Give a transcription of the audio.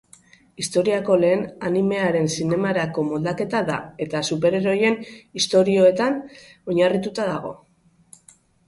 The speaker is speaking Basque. Historiako lehen animearen zinemarako moldaketa da, eta superheroien istorioetan oinarrituta dago.